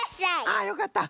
あよかった。